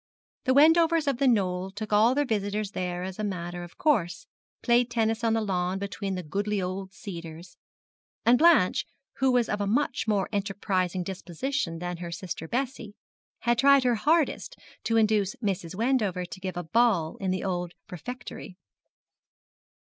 The Wendovers of The Knoll took all their visitors there as a matter of course played tennis on the lawn between the goodly old cedars; and Blanche, who was of a much more enterprising disposition than her sister Bessie, had tried her hardest to induce Mrs. Wendover to give a ball in the old refectory.